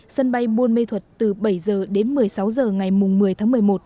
sân bay buôn mê thuật từ bảy h đến một mươi sáu h ngày một mươi tháng một mươi một